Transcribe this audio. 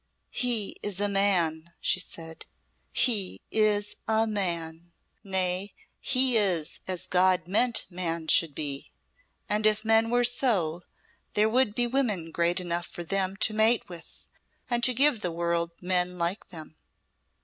"He is a Man," she said "he is a Man! Nay, he is as God meant man should be. And if men were so, there would be women great enough for them to mate with and to give the world men like them."